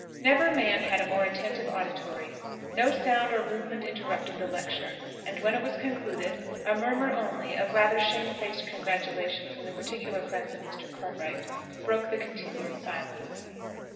Never man had a more attentive auditory; no sound or movement interrupted the lecture; and when it was concluded, a murmur only, of rather shame faced congratulation from the particular friends of Mr. Cartwright, broke the continued silence.